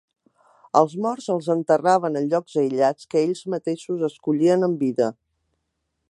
Els morts els enterraven en llocs aïllats que ells mateixos escollien en vida.